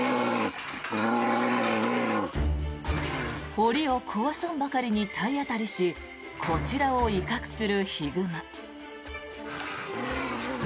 檻を壊さんばかりに体当たりしこちらを威嚇するヒグマ。